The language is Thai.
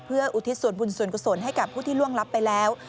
เพื่ออุทิศส่วนบุญส่วนกุศลให้กับผู้ที่ล่วงลับไปแล้ว